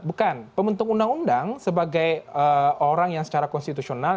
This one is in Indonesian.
bukan pembentuk undang undang sebagai orang yang secara konstitusional